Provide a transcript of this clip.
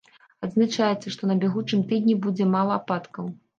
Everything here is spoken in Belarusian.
Адзначаецца, што на бягучым тыдні будзе мала ападкаў.